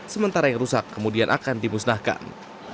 sementara yang rusak kemudian akan dimusnahkan